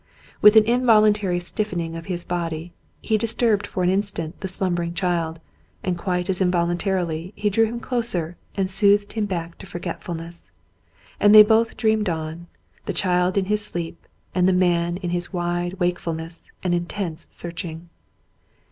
With an invol untary stiffening of his body, he disturbed for an instant the slumbering child, and quite as involuntarily he drew him closer and soothed him back to forgetfulness; and they both dreamed on, the child in his sleep, and the man in his wide wakefulness and intense searching.